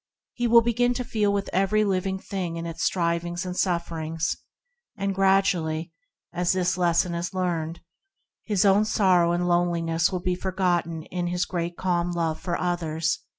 He will begin to feel with every living thing in its strivings and sufferings; gradually, as this lesson is learned, his own sorrow and loneliness will be forgotten and will pass away in his great calm love for others.